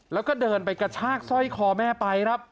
แล้วก็เดินไปกระชากสร้อยคอแม่ไปครับ